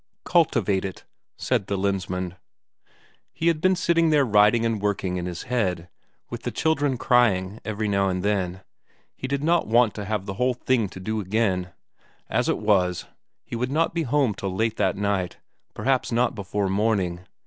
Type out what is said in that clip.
"Cultivate it," said the Lensmand. He had been sitting there writing and working in his head, with the children crying every now and then; he did not want to have the whole thing to do again. As it was, he would not be home till late that night, perhaps not before morning.